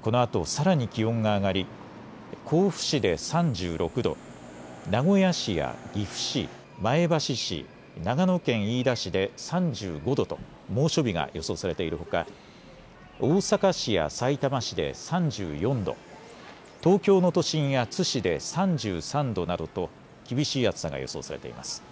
このあとさらに気温が上がり甲府市で３６度、名古屋市や岐阜市、前橋市長野県飯田市で３５度と猛暑日が予想されているほか大阪市やさいたま市で３４度、東京の都心や津市で３３度などと厳しい暑さが予想されています。